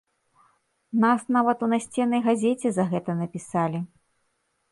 Нас нават у насценнай газеце за гэта напісалі.